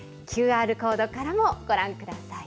ＱＲコードからもご覧ください。